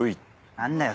何だよ？